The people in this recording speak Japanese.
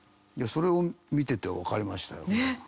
それを見ててわかりましたよ。